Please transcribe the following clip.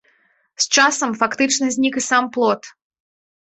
З часам фактычна знік і сам плот.